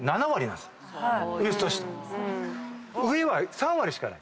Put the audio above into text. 上は３割しかない。